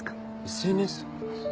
ＳＮＳ？